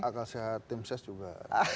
akal sehat tim ses juga